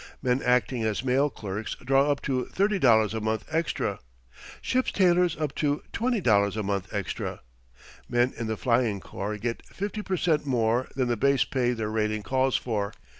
Men acting as mail clerks draw up to $30 a month extra; ship's tailors up to $20 a month extra. Men in the Flying Corps get 50 per cent more than the base pay their rating calls for.